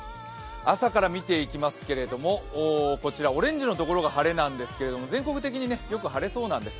朝から見ていきますけれども、こちらオレンジのところが晴れなんですけれども、全国的によく晴れそうなんです。